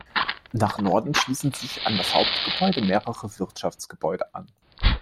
Nach Norden schließen sich an das Hauptgebäude mehrere Wirtschaftsgebäude an.